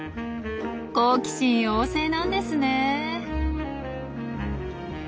好奇心旺盛なんですね。